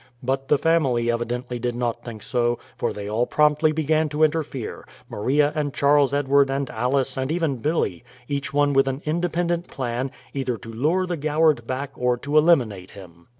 But the family evidently did not think so, for they all promptly began to interfere, Maria and Charles Edward and Alice and even Billy, each one with an independent plan, either to lure the Goward back or to eliminate him.